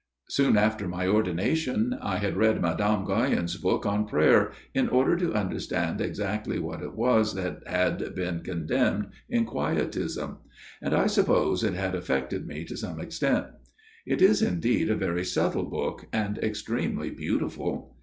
Soon after my ordination I had read Mme. Guyon's book on prayer, in order to understand exactly what it was that had been condemned in Quietism ; and I suppose it had affected me to some extent. It is indeed a very subtle book, and extremely beautiful.